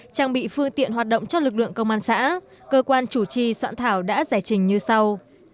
trang bị phương tiện hoạt động cho lực lượng công an xã cơ quan chủ trì soạn thảo đã giải trình như sau